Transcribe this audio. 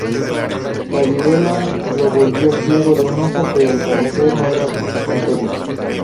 La viruela lo volvió ciego de un ojo, pero al parecer no era notorio.